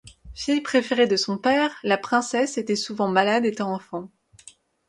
Fille préférée de son père, la princesse était souvent malade étant enfant.